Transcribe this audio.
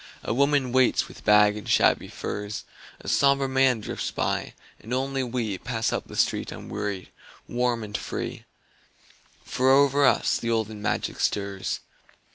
A woman waits with bag and shabby furs, A somber man drifts by, and only we Pass up the street unwearied, warm and free, For over us the olden magic stirs.